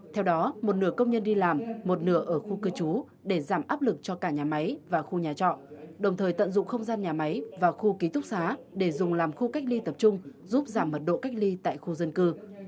theo đó một nửa công nhân đi làm một nửa ở khu cư trú để giảm áp lực cho cả nhà máy và khu nhà trọ đồng thời tận dụng không gian nhà máy và khu ký túc xá để dùng làm khu cách ly tập trung giúp giảm mật độ cách ly tại khu dân cư